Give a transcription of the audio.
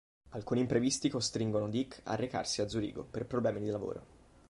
Alcuni imprevisti costringono Dick a recarsi a Zurigo per problemi di lavoro.